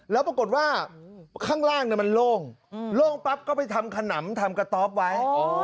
แล้วปรากฏว่าข้างล่างมันโล่งโล่งปั๊บก็ไปทำขนำทำกระต๊อบไว้